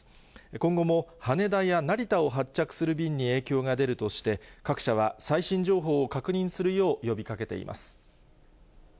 今後も羽田や成田を発着する便に影響が出るとして、各社は最新情報を確認するよう呼びかけています。